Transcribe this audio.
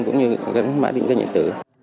cũng như gắn mã định danh điện tử